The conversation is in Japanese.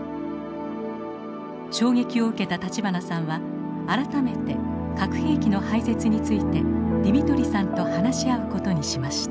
衝撃を受けた立花さんは改めて核兵器の廃絶についてディミトリさんと話し合う事にしました。